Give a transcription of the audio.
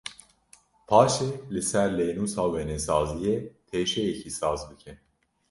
Paşê li ser lênûsa wênesaziyê teşeyekî saz bike.